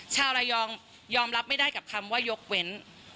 ชาวระยองยอมรับไม่ได้กับคำว่ายกเว้น